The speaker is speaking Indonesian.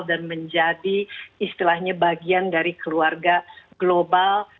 dan menjadi istilahnya bagian dari keluarga global